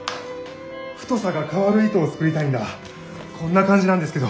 太さが変わる糸を作りたいんだこんな感じなんですけど。